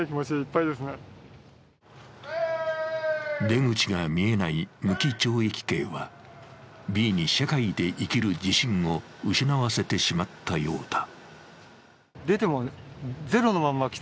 出口が見えない無期懲役刑はＢに社会で生きる自信を失わせてしまったようだ。